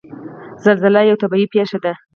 زلزله یوه طبعي پېښه ده.